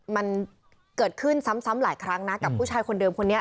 มันเกิดขึ้นซ้ำหลายครั้งนะกับผู้ชายคนเดิมคนนี้